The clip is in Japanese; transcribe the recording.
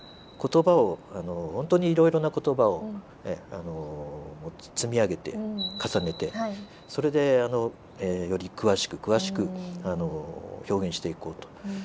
言葉を本当にいろいろな言葉を積み上げて重ねてそれでより詳しく詳しく表現していこうと。